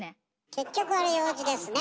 「結局あれ楊枝ですね」！